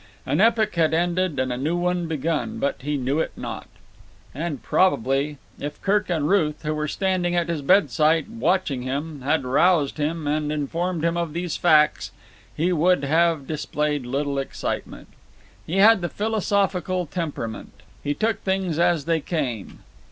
An epoch had ended and a new one begun, but he knew it not. And probably, if Kirk and Ruth, who were standing at his bedside, watching him, had roused him and informed him of these facts, he would have displayed little excitement. He had the philosophical temperament. He took things as they came.